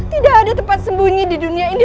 tidak ada tempat sembunyi di dunia ini